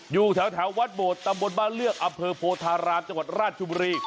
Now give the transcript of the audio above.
อยู่แถววัดโบดตำบลบ้านเลือกอำเภอโพธารามจังหวัดราชบุรี